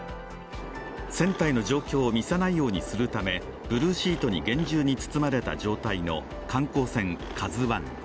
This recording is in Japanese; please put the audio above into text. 船体の状況を見せないようにするためブルーシートに厳重に包まれた状態の観光船